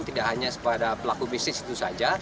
tidak hanya kepada pelaku bisnis itu saja